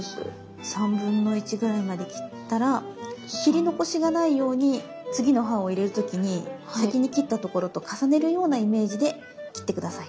1/3ぐらいまで切ったら切り残しがないように次の刃を入れる時に先に切ったところと重ねるようなイメージで切って下さい。